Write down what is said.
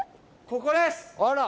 ここです！